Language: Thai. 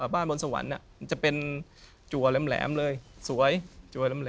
บ้านบนสวรรค์น่ะจะเป็นจัวแหลมแหลมเลยสวยจัวแหลมแหลม